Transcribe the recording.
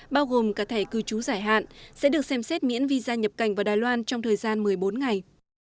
bao gồm cả thẻ cư trú giải hạn sẽ được xem xét miễn visa nhập cảnh vào đài loan trong thời gian một mươi bốn ngày